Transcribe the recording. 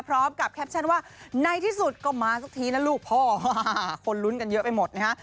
พร้อมกับแคปชั่นว่าในที่สุดก็มาสักทีนะลูกพ่อคนลุ้นกันเยอะไปหมดนะฮะ